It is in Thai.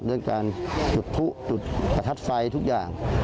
ด้วยการจุดผู้จุดประทัดไฟทุกอย่าง